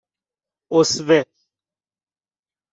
اُسوه